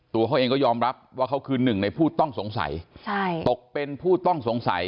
ตัวเขาเองก็ยอมรับว่าเขาคือหนึ่งในผู้ต้องสงสัยตกเป็นผู้ต้องสงสัย